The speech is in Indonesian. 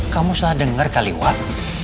kamu salah denger kali wak